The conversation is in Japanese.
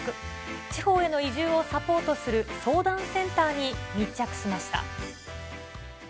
地方への移住をサポートする相談センターに密着しました。